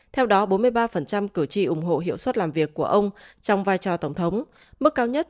theo đó bốn mươi ba cử tri ủng hộ hiệu suất làm việc của ông trong vai trò tổng thống mức cao nhất